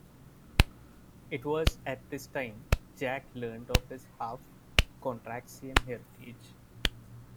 It was at this time Jack learned of his half-Contraxian heritage.